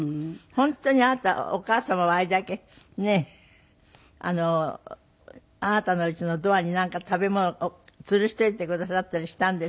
本当にあなたお母様をあれだけねえ。あなたのうちのドアになんか食べ物をつるしといてくださったりしたんでしょ？